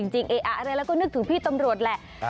จริงเอ๊ะเราก็นึกถึงหัวพวกประชาชน